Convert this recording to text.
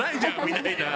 みたいな。